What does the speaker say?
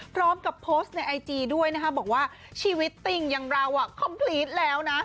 พร้อมกับโพสต์ในไอจีด้วยนะคะบอกว่าชีวิตติ่งอย่างเราคอมพลีตแล้วนะ